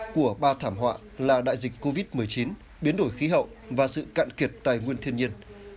của ba thảm họa là đại dịch covid một mươi chín biến đổi khí hậu và sự cạn kiệt tài nguyên thiên nhiên